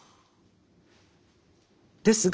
ですが